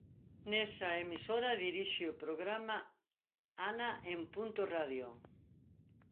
Nesa emisora dirixe o programa "Ana en Punto Radio".